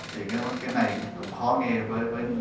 thì cái vấn đề này cũng khó nghe